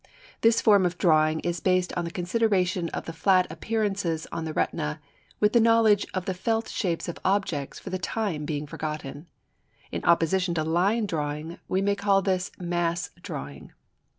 This form of drawing is based on the consideration of the flat appearances on the retina, with the knowledge of the felt shapes of objects for the time being forgotten. In opposition to line drawing, we may call this Mass Drawing.